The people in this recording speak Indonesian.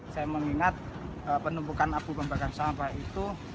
saya mengingat penumpukan abu pembakaran sampah itu